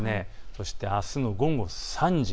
そして、あすの午後３時。